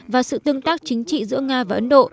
và sự tương tác chính trị giữa nga và ấn độ